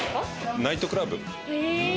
ナイトクラブ。